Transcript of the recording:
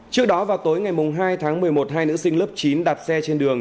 trước đó vào tối ngày hai tháng một mươi một hai nữ sinh lớp chín đạp xe trên đường